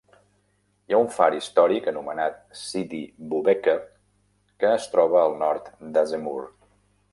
Hi ha un far històric anomenat Sidi Boubeker que es troba al nord d'Azemmour.